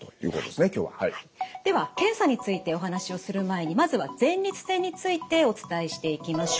では検査についてお話をする前にまずは前立腺についてお伝えしていきましょう。